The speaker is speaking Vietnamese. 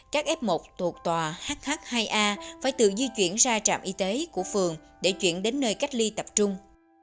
các f một thuộc tòa hh hai a phải tự di chuyển ra trạm y tế của phường để chuyển đến nơi cách ly tập trung